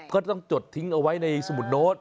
ก็ต้องจดทิ้งเอาไว้ในสมุดโน้ต